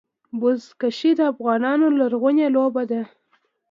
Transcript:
بزکشي د افغانانو لرغونې لوبه ده.